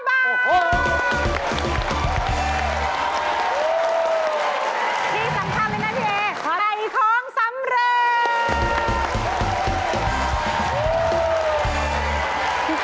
ใบของสำเร็จ